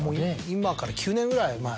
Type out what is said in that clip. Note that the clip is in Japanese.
今から９年ぐらい前。